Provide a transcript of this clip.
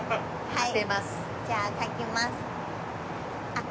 はい。